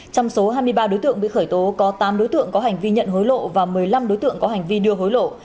trong số hai mươi ba đối tượng bị khởi tố có tám đối tượng có hành vi nhận hối lộ và một mươi năm đối tượng có hành vi đưa hối lộ